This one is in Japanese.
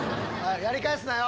やり返すなよ